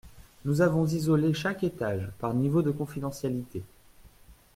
Nous avons isolé chaque étage, par niveau de confidentialité.